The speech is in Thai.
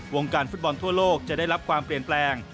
วงการฟุตบอลทั่วโลกจะได้รับความเปลี่ยนแปลง